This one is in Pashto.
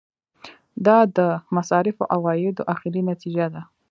دا د مصارفو او عوایدو اخري نتیجه ده.